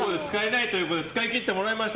使い切ってもらいました。